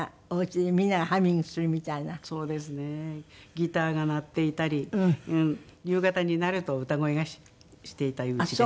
ギターが鳴っていたり夕方になると歌声がしていたうちです。